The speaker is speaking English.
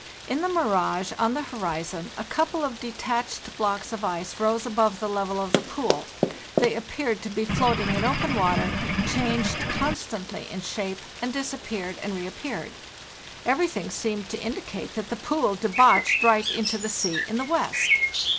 In the mirage on the horizon, a couple of detached blocks of ice rose above the level of the pool; they appeared to be floating in open water, changed constantly in shape, and disappeared and reappeared. Everything seemed to indicate that the pool debouched right into the sea in the west.